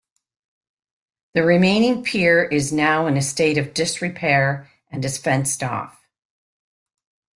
The remaining pier is now in a state of disrepair and is fenced off.